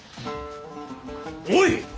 おい！